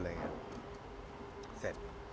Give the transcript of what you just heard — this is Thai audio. และ